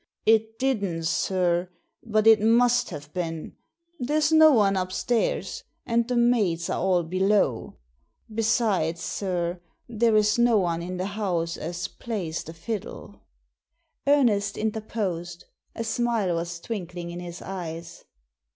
"It didn't, sir. But it must have been. There's no one upstairs, and the maids are all below. Besides, sir, there's no one in the house as plays the fiddle." Ernest interposed. A smile was twinkling in his eyes.